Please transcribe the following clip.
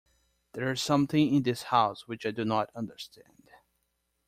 There is something in this house which I do not understand.